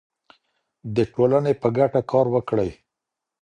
د ټولنې په ګټه کار وکړئ.